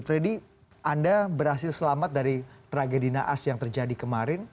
freddy anda berhasil selamat dari tragedi naas yang terjadi kemarin